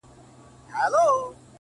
كه غمازان كه رقيبان وي خو چي ته يـې پكې،